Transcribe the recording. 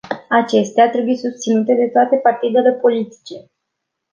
Acestea trebuie susținute de toate partidele politice.